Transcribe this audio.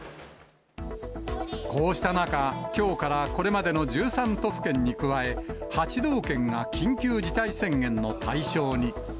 こうした中、きょうからこれまでの１３都府県に加え、８道県が緊急事態宣言の対象に。